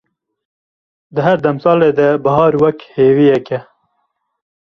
di her demsalê de bihar wek hêviyeke